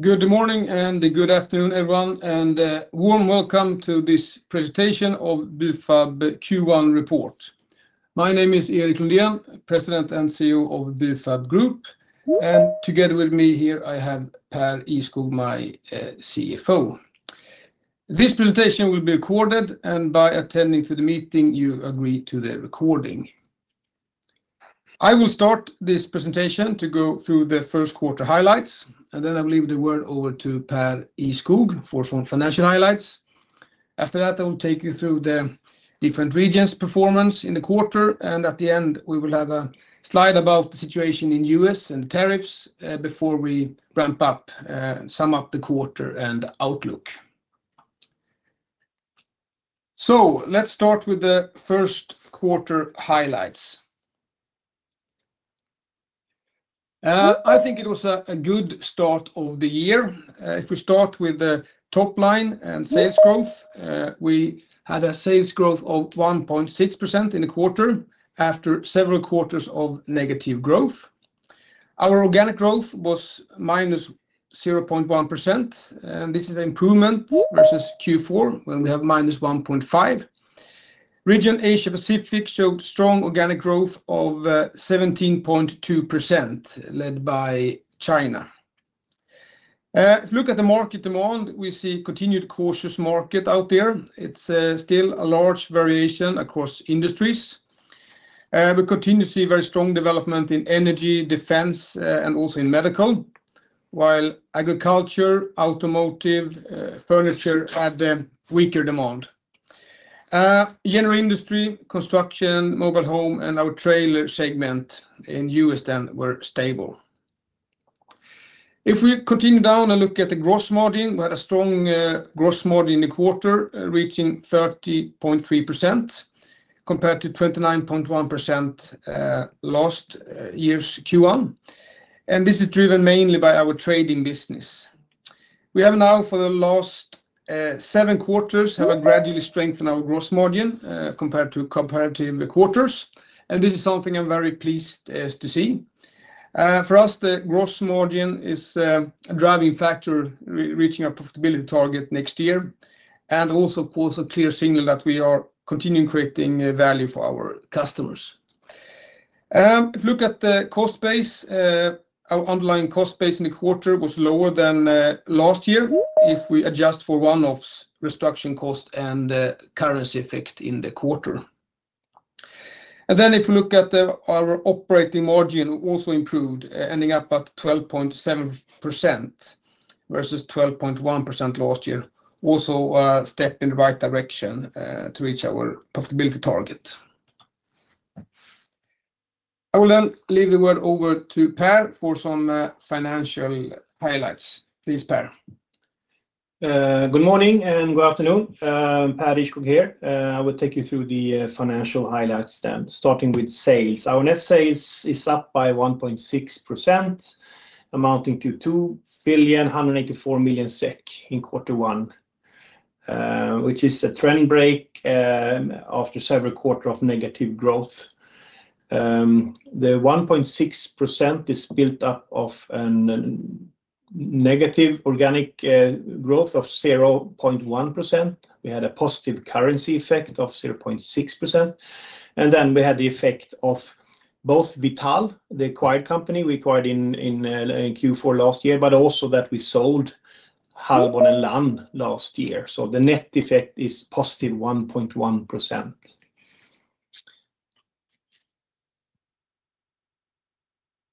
Good morning and good afternoon, everyone, and a warm welcome to this presentation of Bufab Q1 Report. My name is Erik Lundén, President and CEO of Bufab Group, and together with me here, I have Pär Ihrskog, my CFO. This presentation will be recorded, and by attending to the meeting, you agree to the recording. I will start this presentation to go through the first quarter highlights, and then I will leave the word over to Pär Ihrskog for some financial highlights. After that, I will take you through the different regions' performance in the quarter, and at the end, we will have a slide about the situation in the US and tariffs before we ramp up, sum up the quarter and outlook. Let's start with the first quarter highlights. I think it was a good start of the year. If we start with the top line and sales growth, we had a sales growth of 1.6% in the quarter after several quarters of negative growth. Our organic growth was -0.1%, and this is an improvement versus Q4 when we had -1.5%. Region Asia-Pacific showed strong organic growth of 17.2%, led by China. If we look at the market demand, we see continued cautious market out there. It's still a large variation across industries. We continue to see very strong development in energy, defense, and also in medical, while agriculture, automotive, and furniture had weaker demand. General industry, construction, mobile home, and our trailer segment in the U.S. then were stable. If we continue down and look at the gross margin, we had a strong gross margin in the quarter, reaching 30.3% compared to 29.1% last year's Q1, and this is driven mainly by our trading business. We have now, for the last seven quarters, gradually strengthened our gross margin compared to comparative quarters, and this is something I'm very pleased to see. For us, the gross margin is a driving factor, reaching our profitability target next year, and also, of course, a clear signal that we are continuing creating value for our customers. If we look at the cost base, our underlying cost base in the quarter was lower than last year if we adjust for one-offs, restructuring cost, and currency effect in the quarter. If we look at our operating margin, it also improved, ending up at 12.7% versus 12.1% last year, also a step in the right direction to reach our profitability target. I will then leave the word over to Pär for some financial highlights. Please, Pär. Good morning and good afternoon. Pär Ihrskog here. I will take you through the financial highlights then, starting with sales. Our net sales is up by 1.6%, amounting to 2,184,000,000 SEK in quarter one, which is a trend break after several quarters of negative growth. The 1.6% is built up of negative organic growth of 0.1%. We had a positive currency effect of 0.6%, and then we had the effect of both Vital, the acquired company we acquired in Q4 last year, but also that we sold Hallborn and Lann last year. The net effect is positive 1.1%.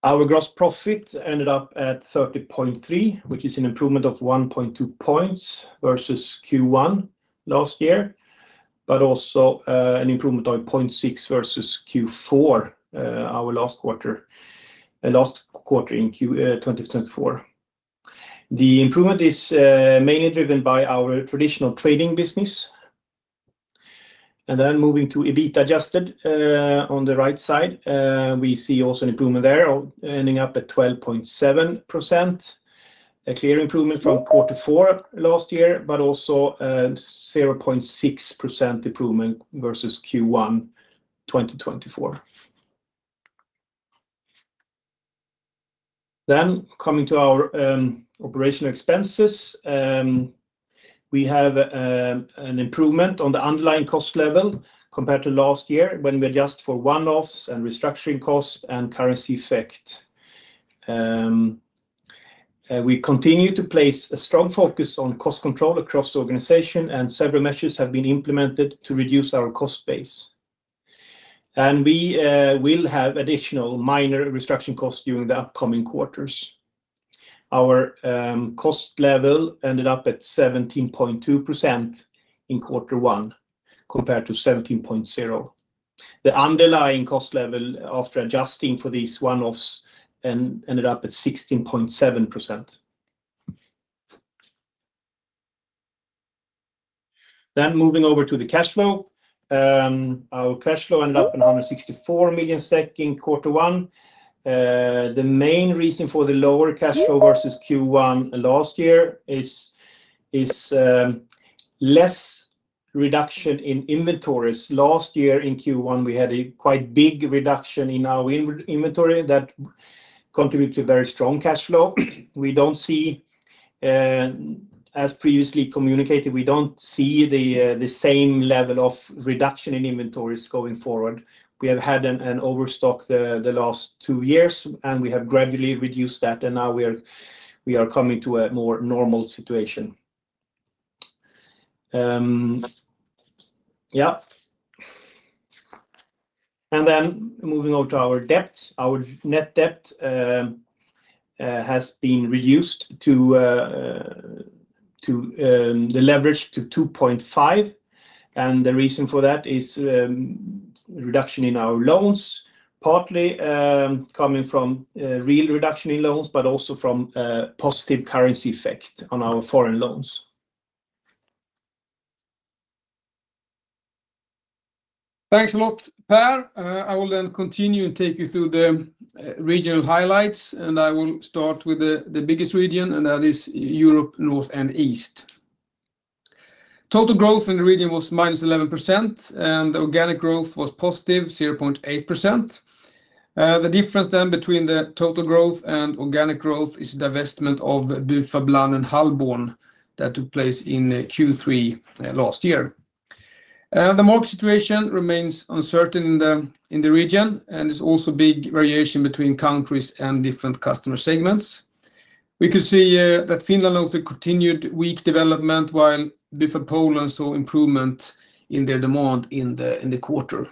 Our gross profit ended up at 30.3%, which is an improvement of 1.2 percentage points versus Q1 last year, but also an improvement of 0.6% versus Q4, our last quarter in 2024. The improvement is mainly driven by our traditional trading business. Moving to EBITA adjusted on the right side, we see also an improvement there, ending up at 12.7%, a clear improvement from quarter four last year, but also a 0.6% improvement versus Q1 2024. Coming to our operational expenses, we have an improvement on the underlying cost level compared to last year when we adjust for one-offs and restructuring cost and currency effect. We continue to place a strong focus on cost control across the organization, and several measures have been implemented to reduce our cost base. We will have additional minor restructuring costs during the upcoming quarters. Our cost level ended up at 17.2% in quarter one compared to 17.0%. The underlying cost level after adjusting for these one-offs ended up at 16.7%. Moving over to the cash flow, our cash flow ended up at 164 million in quarter one. The main reason for the lower cash flow versus Q1 last year is less reduction in inventories. Last year in Q1, we had a quite big reduction in our inventory that contributed to very strong cash flow. We do not see, as previously communicated, we do not see the same level of reduction in inventories going forward. We have had an overstock the last two years, and we have gradually reduced that, and now we are coming to a more normal situation. Yeah. Then moving over to our debt, our net debt has been reduced to the leverage to 2.5%, and the reason for that is reduction in our loans, partly coming from real reduction in loans, but also from positive currency effect on our foreign loans. Thanks a lot, Pär. I will then continue and take you through the regional highlights, and I will start with the biggest region, and that is Europe North and East. Total growth in the region was -11%, and the organic growth was positive, 0.8%. The difference then between the total growth and organic growth is the divestment of Bufab Lann and Hallborn that took place in Q3 last year. The market situation remains uncertain in the region, and there's also big variation between countries and different customer segments. We could see that Finland noted continued weak development, while Bufab Poland saw improvement in their demand in the quarter.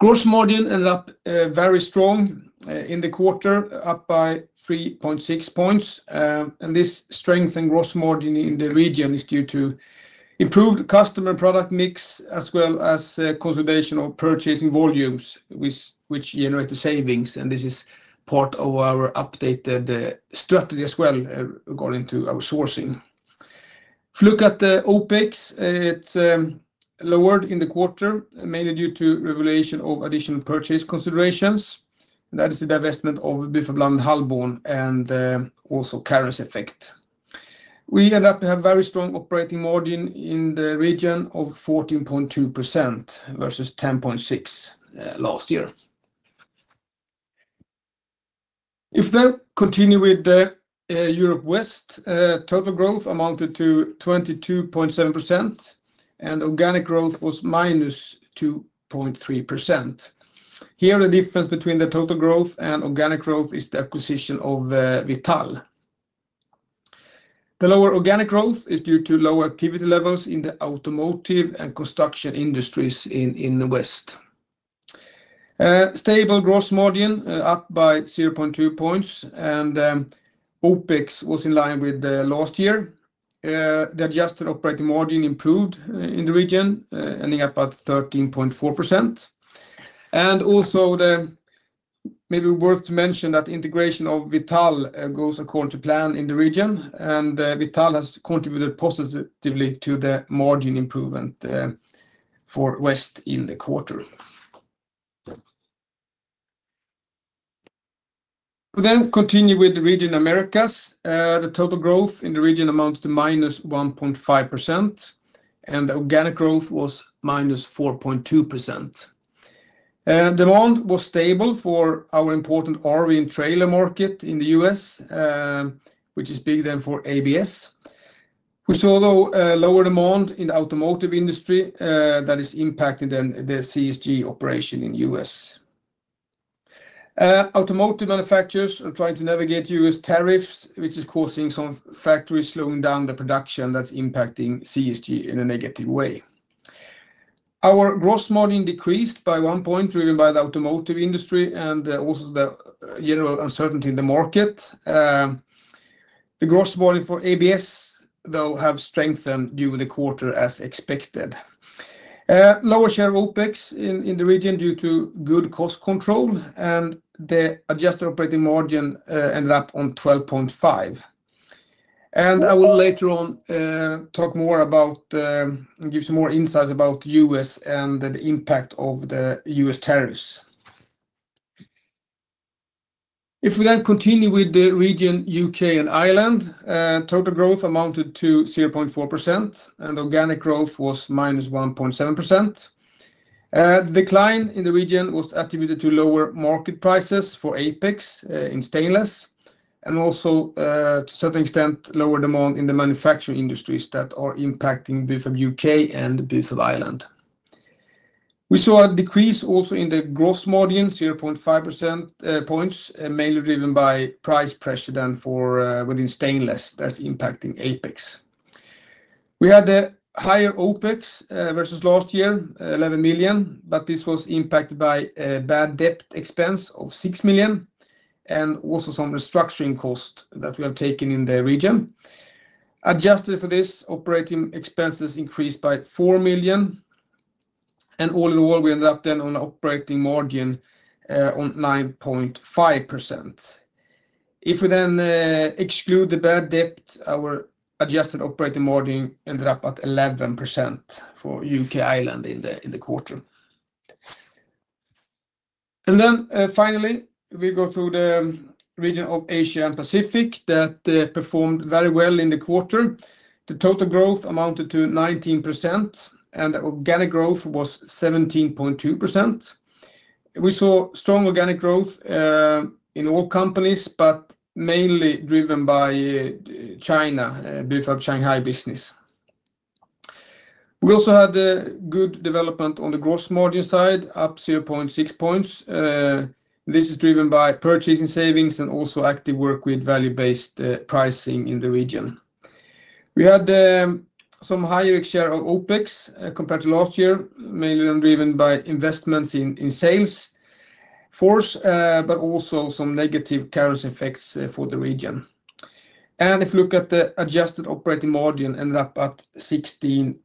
Gross margin ended up very strong in the quarter, up by 3.6 points, and this strength in gross margin in the region is due to improved customer product mix as well as conservation of purchasing volumes, which generated savings, and this is part of our updated strategy as well regarding our sourcing. If we look at the OpEx, it is lowered in the quarter, mainly due to revaluation of additional purchase considerations, and that is the divestment of Bufab Lann and Hallborn and also currency effect. We ended up to have a very strong operating margin in the region of 14.2% versus 10.6% last year. If we then continue with Europe West, total growth amounted to 22.7%, and organic growth was -2.3%. Here, the difference between the total growth and organic growth is the acquisition of Vital. The lower organic growth is due to lower activity levels in the automotive and construction industries in the West. Stable gross margin, up by 0.2 points, and OpEx was in line with last year. The adjusted operating margin improved in the region, ending up at 13.4%. It is also maybe worth to mention that integration of Vital goes according to plan in the region, and Vital has contributed positively to the margin improvement for West in the quarter. We then continue with the region Americas. The total growth in the region amounts to -1.5%, and the organic growth was -4.2%. Demand was stable for our important RV and trailer market in the U.S., which is big then for ABS. We saw, though, lower demand in the automotive industry that is impacting then the CSG operation in the U.S. Automotive manufacturers are trying to navigate US tariffs, which is causing some factories slowing down the production that's impacting CSG in a negative way. Our gross margin decreased by one percentage point, driven by the automotive industry and also the general uncertainty in the market. The gross margin for ABS, though, has strengthened during the quarter as expected. Lower share of OpEx in the region due to good cost control, and the adjusted operating margin ended up on 12.5%. I will later on talk more about and give some more insights about the US and the impact of the U.S. tariffs. If we then continue with the region U.K. and Ireland, total growth amounted to 0.4%, and organic growth was -1.7%. The decline in the region was attributed to lower market prices for Apex in stainless, and also to a certain extent, lower demand in the manufacturing industries that are impacting Bufab U.K. and Bufab Ireland. We saw a decrease also in the gross margin, 0.5% points, mainly driven by price pressure then for within stainless that's impacting Apex. We had a higher OpEx versus last year, 11 million, but this was impacted by a bad debt expense of 6 million and also some restructuring costs that we have taken in the region. Adjusted for this, operating expenses increased by 4 million, and all in all, we ended up then on an operating margin of 9.5%. If we then exclude the bad debt, our adjusted operating margin ended up at 11% for U.K. Ireland in the quarter. Finally, we go through the region of Asia and Pacific that performed very well in the quarter. The total growth amounted to 19%, and the organic growth was 17.2%. We saw strong organic growth in all companies, but mainly driven by China Bufab Shanghai business. We also had good development on the gross margin side, up 0.6 percentage points. This is driven by purchasing savings and also active work with value-based pricing in the region. We had some higher share of OpEx compared to last year, mainly driven by investments in sales force, but also some negative currency effects for the region. If we look at the adjusted operating margin, it ended up at 16.1%,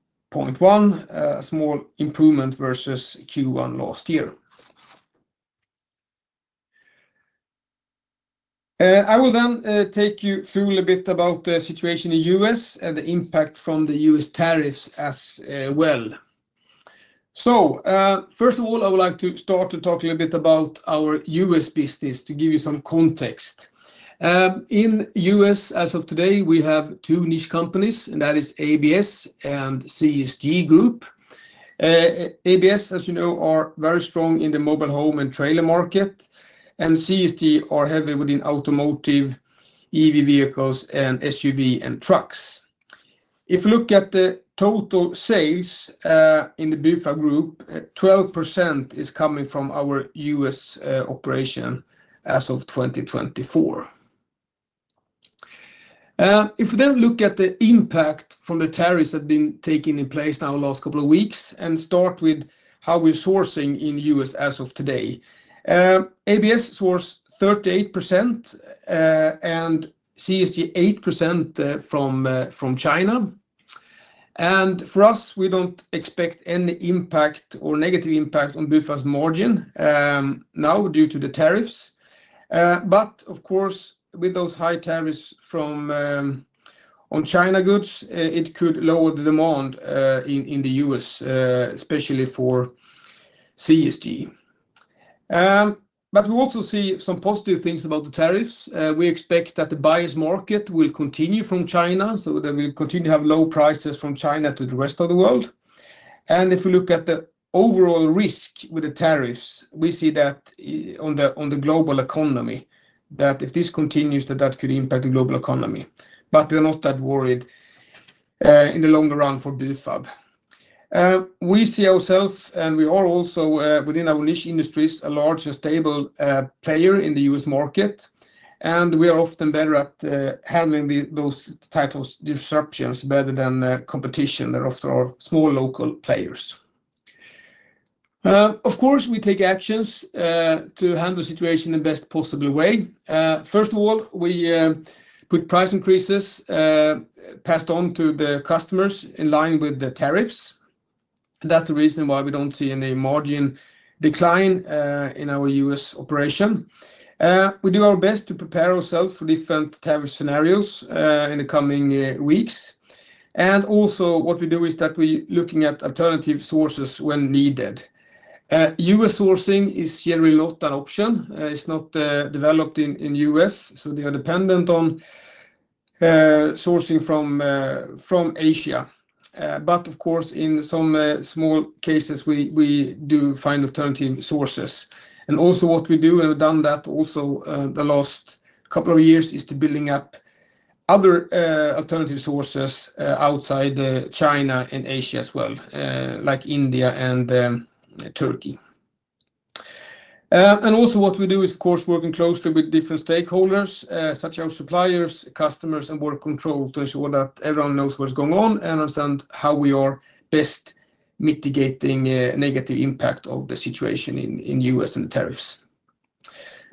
a small improvement versus Q1 last year. I will then take you through a little bit about the situation in the U.S. and the impact from the U.S. tariffs as well. First of all, I would like to start to talk a little bit about our U.S. business to give you some context. In the U.S., as of today, we have two niche companies, and that is ABS and CSG Group. ABS, as you know, are very strong in the mobile home and trailer market, and CSG are heavy within automotive, EV vehicles, and SUV and trucks. If we look at the total sales in the Bufab Group, 12% is coming from our U.S. operation as of 2024. If we then look at the impact from the tariffs that have been taken in place now the last couple of weeks and start with how we're sourcing in the U.S. as of today, ABS source 38% and CSG 8% from China. For us, we do not expect any impact or negative impact on Bufab's margin now due to the tariffs. Of course, with those high tariffs on China goods, it could lower the demand in the U.S., especially for CSG. We also see some positive things about the tariffs. We expect that the bias market will continue from China, so they will continue to have low prices from China to the rest of the world. If we look at the overall risk with the tariffs, we see that on the global economy, if this continues, that could impact the global economy. We are not that worried in the longer run for Bufab. We see ourselves, and we are also within our niche industries, a large and stable player in the U.S. market, and we are often better at handling those types of disruptions better than competition that often are small local players. Of course, we take actions to handle the situation in the best possible way. First of all, we put price increases passed on to the customers in line with the tariffs. That is the reason why we do not see any margin decline in our U.S. operation. We do our best to prepare ourselves for different tariff scenarios in the coming weeks. Also, what we do is that we are looking at alternative sources when needed. U.S. sourcing is generally not an option. It is not developed in the U.S., so they are dependent on sourcing from Asia. Of course, in some small cases, we do find alternative sources. Also, what we do, and we have done that also the last couple of years, is to build up other alternative sources outside China and Asia as well, like India and Turkey. What we do is, of course, working closely with different stakeholders, such as our suppliers, customers, and work control to ensure that everyone knows what's going on and understand how we are best mitigating the negative impact of the situation in the U.S. and the tariffs.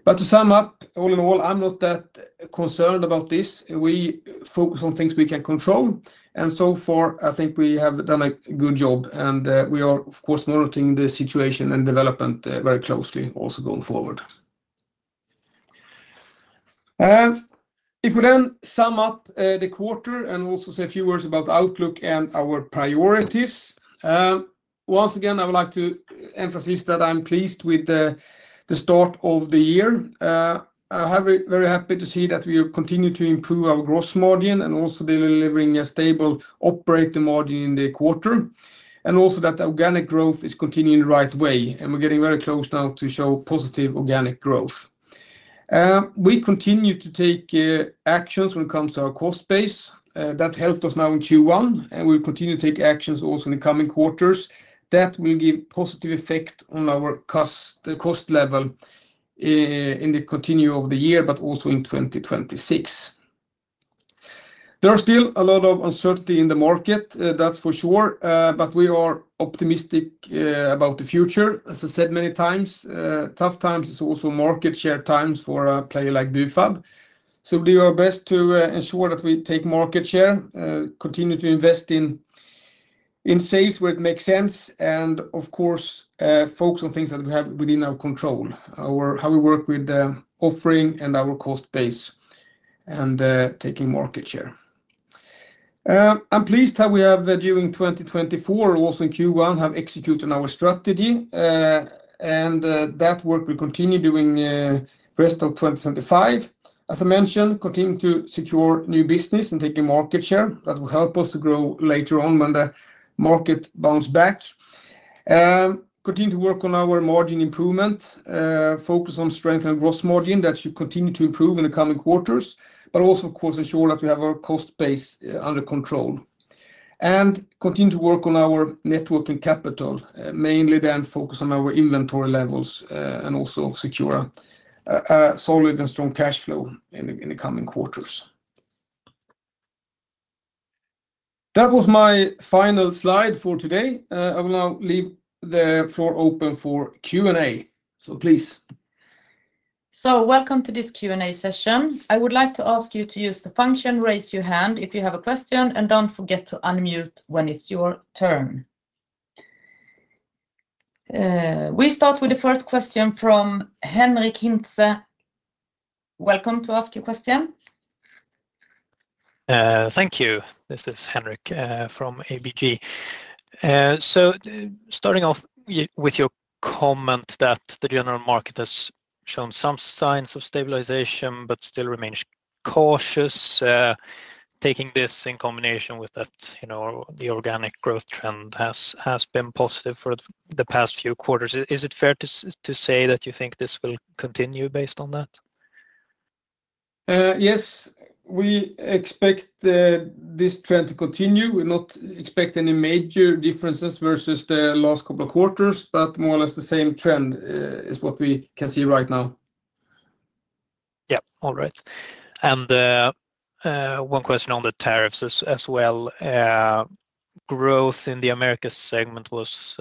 To sum up, all in all, I'm not that concerned about this. We focus on things we can control, and so far I think we have done a good job, and we are, of course, monitoring the situation and development very closely also going forward. If we then sum up the quarter and also say a few words about outlook and our priorities, once again, I would like to emphasize that I'm pleased with the start of the year. I'm very happy to see that we continue to improve our gross margin and also delivering a stable operating margin in the quarter, and also that the organic growth is continuing the right way, and we're getting very close now to show positive organic growth. We continue to take actions when it comes to our cost base. That helped us now in Q1, and we will continue to take actions also in the coming quarters that will give positive effect on our cost level in the continuum of the year, but also in 2026. There are still a lot of uncertainty in the market, that's for sure, but we are optimistic about the future. As I said many times, tough times is also market share times for a player like Bufab, so we do our best to ensure that we take market share, continue to invest in sales where it makes sense, and of course, focus on things that we have within our control, how we work with the offering and our cost base and taking market share. I'm pleased how we have during 2024, also in Q1, have executed our strategy, and that work will continue during the rest of 2025. As I mentioned, continue to secure new business and take a market share that will help us to grow later on when the market bounces back. Continue to work on our margin improvement, focus on strengthening gross margin that should continue to improve in the coming quarters, but also, of course, ensure that we have our cost base under control. We continue to work on our networking capital, mainly then focus on our inventory levels and also secure solid and strong cash flow in the coming quarters. That was my final slide for today. I will now leave the floor open for Q&A, so please. Welcome to this Q&A session. I would like to ask you to use the function raise your hand if you have a question, and do not forget to unmute when it is your turn. We start with the first question from Henric Hintze. Welcome to ask your question. Thank you. This is Henrik from ABG. Starting off with your comment that the general market has shown some signs of stabilization but still remains cautious, taking this in combination with that the organic growth trend has been positive for the past few quarters. Is it fair to say that you think this will continue based on that? Yes, we expect this trend to continue. We do not expect any major differences versus the last couple of quarters, but more or less the same trend is what we can see right now. Yeah, all right. One question on the tariffs as well. Growth in the Americas segment was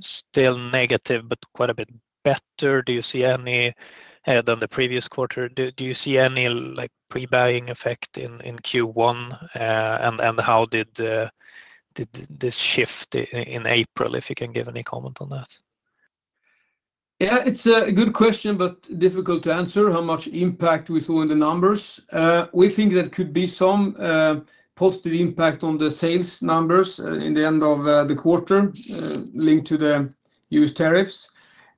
still negative but quite a bit better. Do you see any than the previous quarter? Do you see any pre-buying effect in Q1, and how did this shift in April, if you can give any comment on that? Yeah, it is a good question, but difficult to answer how much impact we saw in the numbers. We think that could be some positive impact on the sales numbers in the end of the quarter linked to the U.S. tariffs,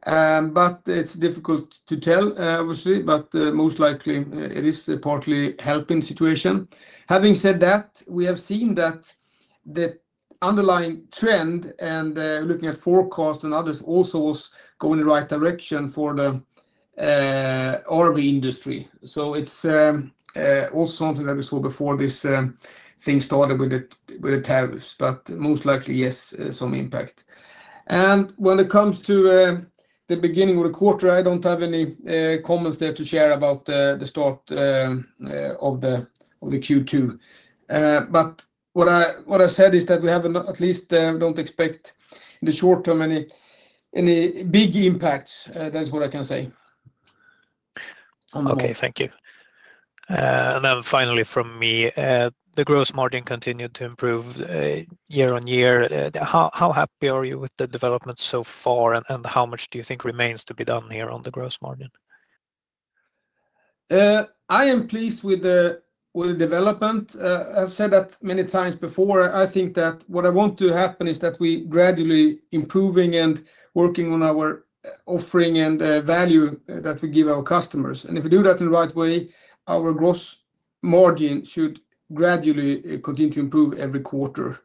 but it's difficult to tell, obviously, but most likely it is a partly helping situation. Having said that, we have seen that the underlying trend and looking at forecast and others also was going in the right direction for the RV industry. It is also something that we saw before this thing started with the tariffs, but most likely, yes, some impact. When it comes to the beginning of the quarter, I don't have any comments there to share about the start of the Q2. What I said is that we at least don't expect in the short term any big impacts. That's what I can say. Okay, thank you. Finally from me, the gross margin continued to improve year on year. How happy are you with the development so far, and how much do you think remains to be done here on the gross margin? I am pleased with the development. I've said that many times before. I think that what I want to happen is that we gradually improve and work on our offering and value that we give our customers. If we do that in the right way, our gross margin should gradually continue to improve every quarter.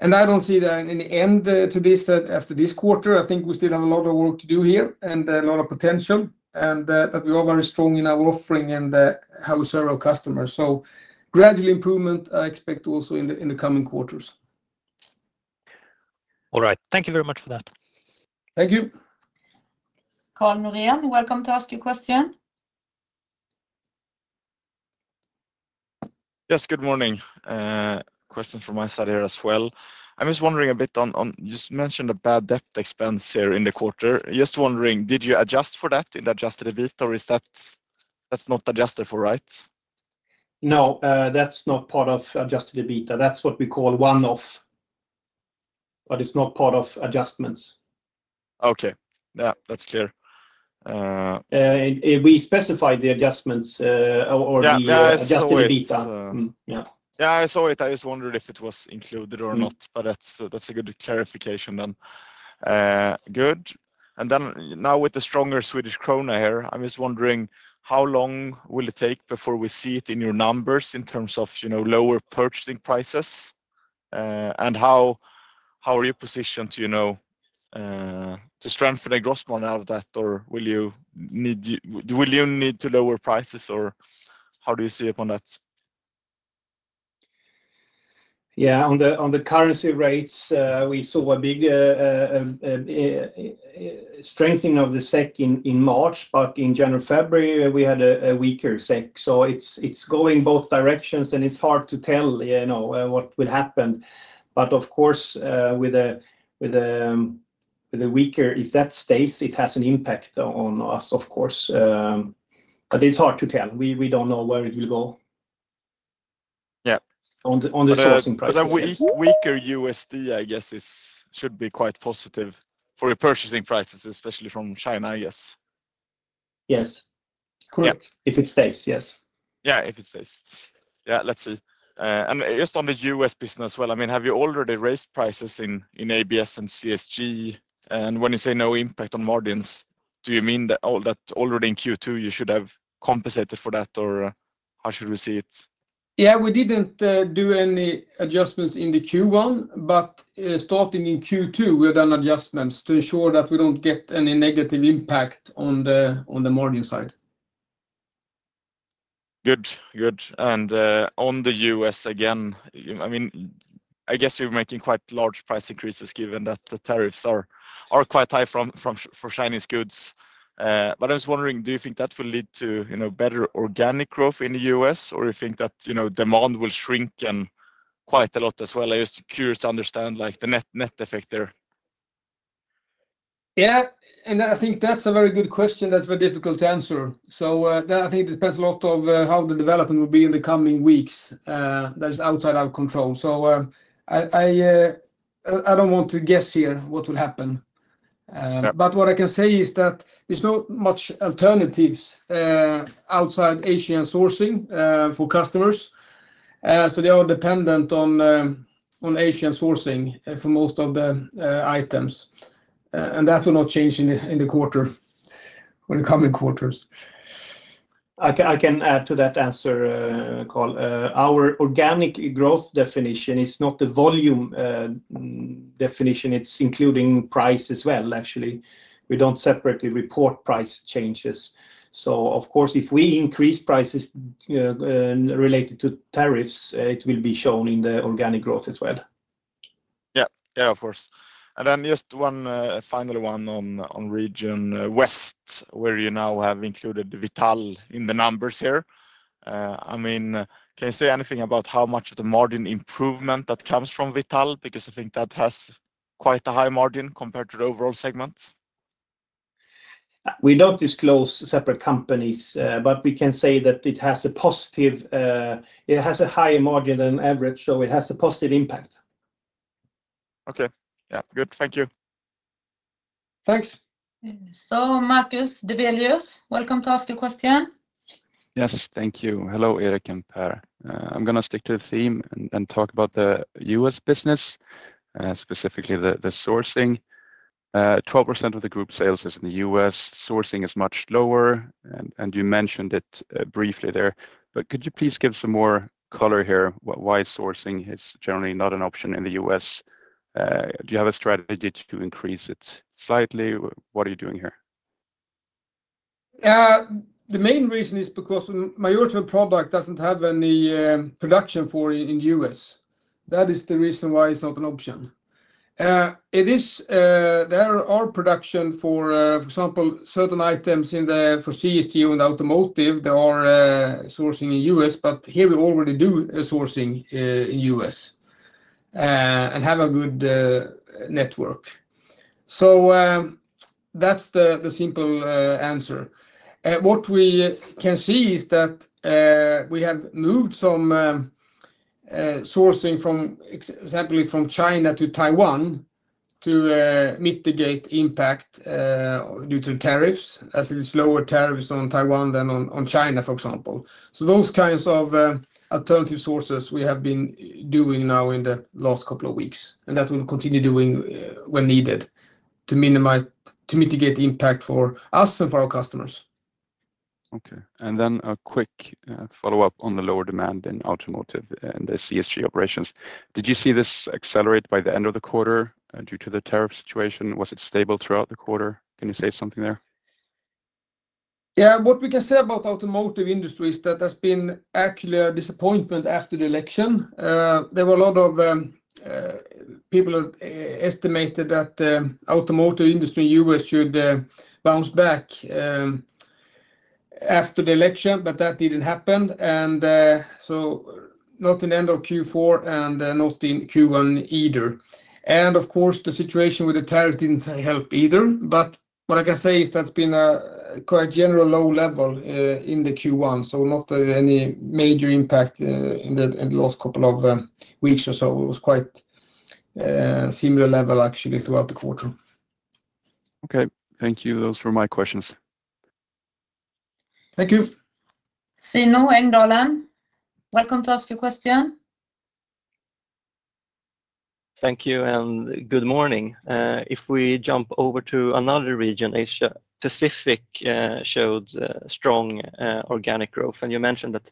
I do not see that in the end to this after this quarter. I think we still have a lot of work to do here and a lot of potential, and that we are very strong in our offering and how we serve our customers. Gradual improvement, I expect also in the coming quarters. All right, thank you very much for that. Thank you. Karl Norén, welcome to ask a question. Yes, good morning. Question from my side here as well. I'm just wondering a bit on you mentioned a bad debt expense here in the quarter. Just wondering, did you adjust for that in the adjusted EBITDA, or is that not adjusted for, right? No, that's not part of adjusted EBITDA. That's what we call one-off, but it's not part of adjustments. Okay, yeah, that's clear. We specified the adjustments or the adjusted EBITDA. Yeah, I saw it. I just wondered if it was included or not, but that's a good clarification then. Good. Now with the stronger Swedish krona here, I'm just wondering how long will it take before we see it in your numbers in terms of lower purchasing prices? How are you positioned to strengthen the gross margin out of that, or will you need to lower prices, or how do you see it on that? Yeah, on the currency rates, we saw a big strengthening of the SEK in March, but in January-February, we had a weaker SEK. It is going both directions, and it is hard to tell what will happen. Of course, with the weaker, if that stays, it has an impact on us, of course. It is hard to tell. We do not know where it will go on the sourcing prices. But weaker USD, I guess, should be quite positive for the purchasing prices, especially from China, I guess. Yes, correct. If it stays, yes. Yeah, if it stays. Yeah, let's see. Just on the U.S. business as well, I mean, have you already raised prices in ABS and CSG? When you say no impact on margins, do you mean that already in Q2 you should have compensated for that, or how should we see it? Yeah, we did not do any adjustments in Q1, but starting in Q2, we have done adjustments to ensure that we do not get any negative impact on the margin side. Good, good. On the U.S. again, I mean, I guess you are making quite large price increases given that the tariffs are quite high for Chinese goods. I was wondering, do you think that will lead to better organic growth in the U.S., or do you think that demand will shrink quite a lot as well? I am just curious to understand the net effect there. Yeah, I think that is a very good question. That is very difficult to answer. I think it depends a lot on how the development will be in the coming weeks that is outside our control. I do not want to guess here what will happen. What I can say is that there are not many alternatives outside Asian sourcing for customers. They are dependent on Asian sourcing for most of the items. That will not change in the quarter, in the coming quarters. I can add to that answer, Karl. Our organic growth definition is not the volume definition. It is including price as well, actually. We do not separately report price changes. Of course, if we increase prices related to tariffs, it will be shown in the organic growth as well. Yeah, yeah, of course. Just one final one on region west, where you now have included Vital in the numbers here. I mean, can you say anything about how much of the margin improvement that comes from Vital? Because I think that has quite a high margin compared to the overall segment. We do not disclose separate companies, but we can say that it has a positive, it has a higher margin than average, so it has a positive impact. Okay, yeah, good. Thank you. Thanks. Marcus Develius, welcome to ask your question. Yes, thank you. Hello, Erik and Pär. I am going to stick to the theme and talk about the U.S. business, specifically the sourcing. 12% of the group sales is in the U.S. Sourcing is much lower, and you mentioned it briefly there. Could you please give some more color here? Why sourcing is generally not an option in the U.S.? Do you have a strategy to increase it slightly? What are you doing here? The main reason is because majority of the product doesn't have any production for in the U.S. That is the reason why it's not an option. There are production for, for example, certain items in the for CSG and automotive. There are sourcing in the U.S., but here we already do sourcing in the U.S. and have a good network. That's the simple answer. What we can see is that we have moved some sourcing, for example, from China to Taiwan to mitigate impact due to tariffs, as it is lower tariffs on Taiwan than on China, for example. Those kinds of alternative sources we have been doing now in the last couple of weeks, and that will continue doing when needed to mitigate the impact for us and for our customers. Okay. Then a quick follow-up on the lower demand in automotive and the CSG operations. Did you see this accelerate by the end of the quarter due to the tariff situation? Was it stable throughout the quarter? Can you say something there? Yeah, what we can say about the automotive industry is that there's been actually a disappointment after the election. There were a lot of people who estimated that the automotive industry in the U.S. should bounce back after the election, but that didn't happen. Not in the end of Q4 and not in Q1 either. Of course, the situation with the tariff didn't help either. What I can say is that's been a quite general low level in the Q1, so not any major impact in the last couple of weeks or so. It was quite a similar level, actually, throughout the quarter. Okay, thank you. Those were my questions. Thank you. Zino Engdalen, welcome to ask your question. Thank you, and good morning. If we jump over to another region, Asia-Pacific showed strong organic growth, and you mentioned that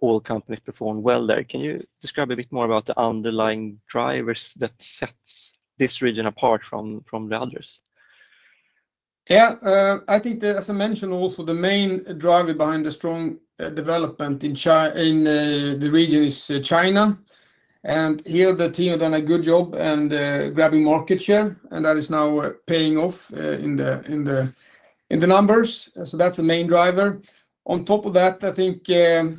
all companies performed well there. Can you describe a bit more about the underlying drivers that set this region apart from the others? Yeah, I think, as I mentioned, also the main driver behind the strong development in the region is China. Here the team have done a good job in grabbing market share, and that is now paying off in the numbers. That is the main driver. On top of that, I think the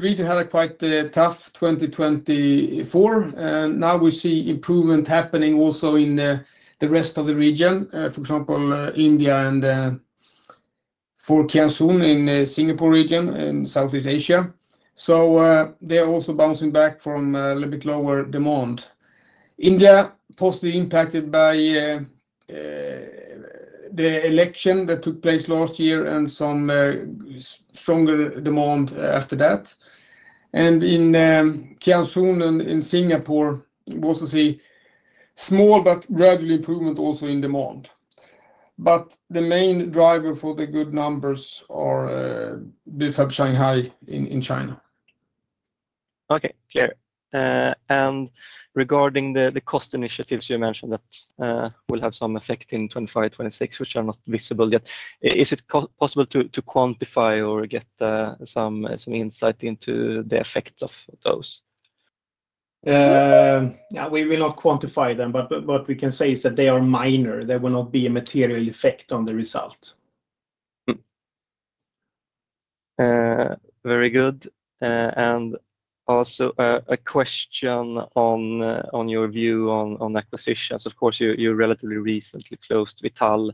region had a quite tough 2024. Now we see improvement happening also in the rest of the region, for example, India and Kian Soon in the Singapore region in Southeast Asia. They are also bouncing back from a little bit lower demand. India positively impacted by the election that took place last year and some stronger demand after that. In Kian Soon in Singapore, we also see small but gradual improvement also in demand. The main driver for the good numbers are Bufab Shanghai in China. Okay, clear. Regarding the cost initiatives you mentioned that will have some effect in 2025-2026, which are not visible yet, is it possible to quantify or get some insight into the effects of those? Yeah, we will not quantify them, but what we can say is that they are minor. There will not be a material effect on the result. Very good. Also a question on your view on acquisitions. Of course, you relatively recently closed Vital.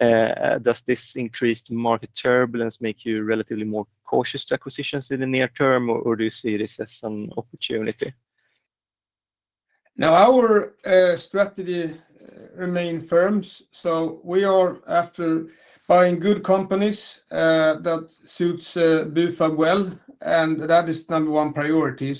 Does this increased market turbulence make you relatively more cautious to acquisitions in the near term, or do you see this as an opportunity? Now, our strategy remains firm, so we are after buying good companies that suit Bufab well, and that is number one priority.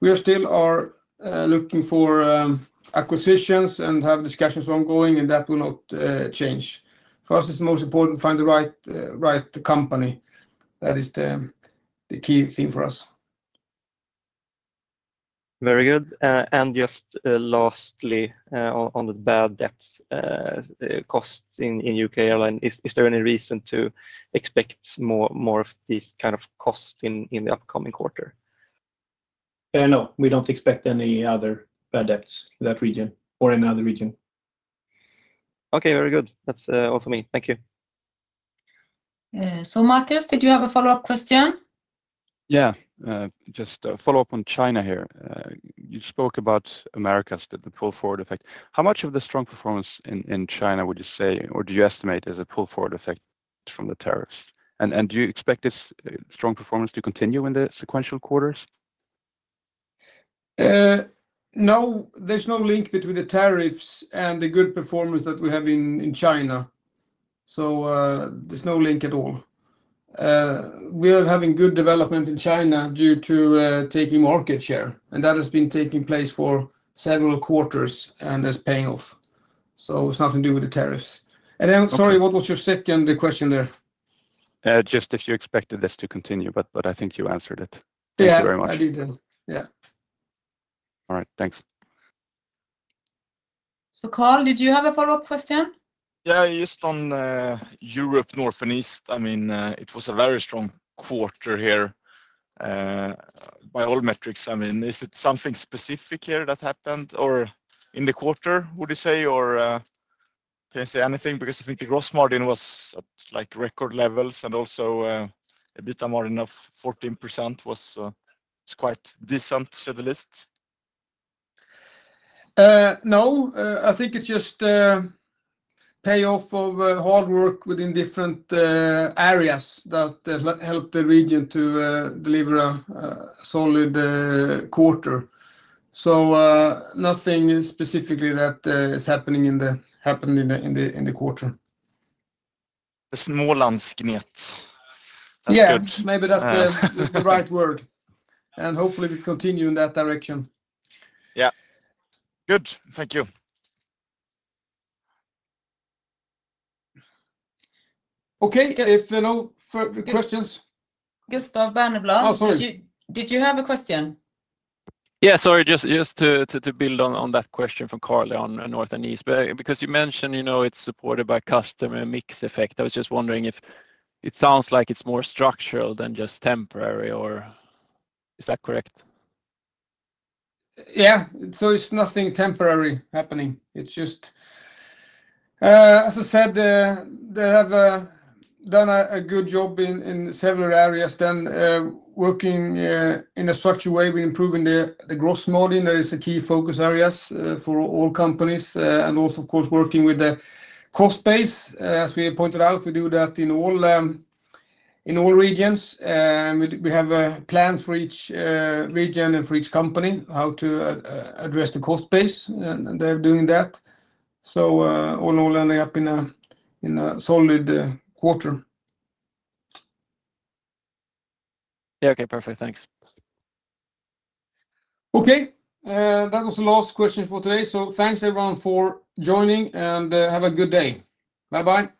We still are looking for acquisitions and have discussions ongoing, and that will not change. For us, it's most important to find the right company. That is the key thing for us. Very good. Just lastly, on the bad debt costs in U.K. and Ireland, is there any reason to expect more of these kinds of costs in the upcoming quarter? No, we don't expect any other bad debts in that region or in other regions. Okay, very good. That's all for me. Thank you. Marcus, did you have a follow-up question? Yeah, just a follow-up on China here. You spoke about America's pull forward effect. How much of the strong performance in China would you say, or do you estimate, is a pull forward effect from the tariffs? Do you expect this strong performance to continue in the sequential quarters? No, there is no link between the tariffs and the good performance that we have in China. There is no link at all. We are having good development in China due to taking market share, and that has been taking place for several quarters, and it is paying off. It is nothing to do with the tariffs. Sorry, what was your second question there? Just if you expected this to continue, but I think you answered it. Thank you very much. Yeah, I did. All right, thanks. Karl, did you have a follow-up question? Yeah, just on Europe North and East. I mean, it was a very strong quarter here by all metrics. I mean, is it something specific here that happened in the quarter, would you say, or can you say anything? Because I think the gross margin was at record levels, and also a bit of margin of 14% was quite decent to say the least. No, I think it's just payoff of hard work within different areas that helped the region to deliver a solid quarter. Nothing specifically that is happening in the quarter. The Smålands gnet. That's good. Yeah, maybe that's the right word. Hopefully, we continue in that direction. Yeah, good. Thank you. Okay, if no further questions. Gustav Berneblad. Oh, sorry. Did you have a question? Yeah, sorry, just to build on that question from Karl on north and east, because you mentioned it's supported by customer mix effect. I was just wondering if it sounds like it's more structural than just temporary, or is that correct? Yeah, so it's nothing temporary happening. It's just, as I said, they have done a good job in several areas, then working in a structured way with improving the gross margin. There are key focus areas for all companies and also, of course, working with the cost base. As we pointed out, we do that in all regions. We have plans for each region and for each company how to address the cost base, and they're doing that. All in all, they're up in a solid quarter. Yeah, okay, perfect. Thanks. Okay, that was the last question for today. Thanks everyone for joining, and have a good day. Bye-bye.